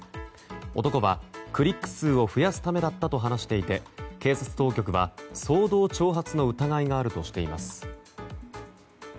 男はクリック数を増やすためだったと話していて警察当局は騒動挑発の疑いがあるとしています。